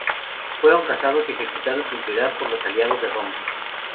Fueron cazados y ejecutados sin piedad por los aliados de Roma.